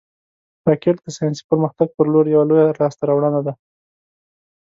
راکټ د ساینسي پرمختګ پر لور یوه لویه لاسته راوړنه ده